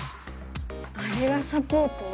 あれがサポート？